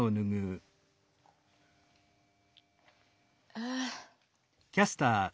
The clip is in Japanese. ああ。